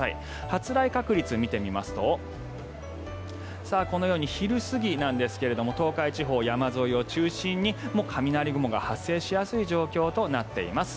発雷確率、見てみますとこのように昼過ぎなんですが東海地方山沿いを中心に雷雲が発生しやすい状況になっています。